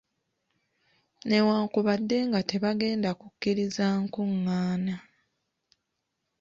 Newankubadde nga tebagenda kukkiriza nkungaana.